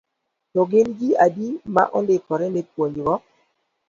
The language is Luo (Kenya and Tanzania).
To gin ji adi ma ondikore ne puonjgo.